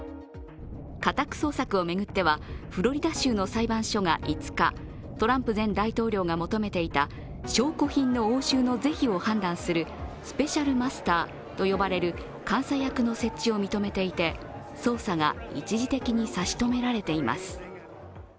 家宅捜索を巡っては、フロリダ州の裁判所が５日トランプ前大統領が求めていた証拠品の押収の是非を判断するスペシャルマスターと呼ばれる監査役の設置を認めていて、捜査が一時的に差し止められています。